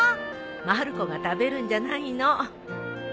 まる子が食べるんじゃないの。